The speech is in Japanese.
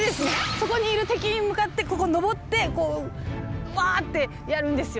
そこにいる敵に向かってここ上ってこうワーッてやるんですよ。